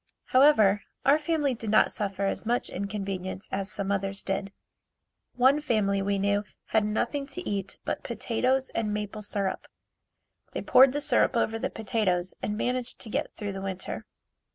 However, our family did not suffer as much inconvenience as some others did. One family we knew had nothing to eat but potatoes and maple syrup. They poured the syrup over the potatoes and managed to get through the winter.